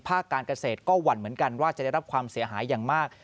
การเกษตรก็หวั่นเหมือนกันว่าจะได้รับความเสียหายอย่างมาก